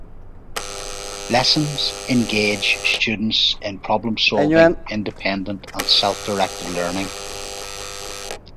Lessons engage students in problem-solving, independent and self-directed learning.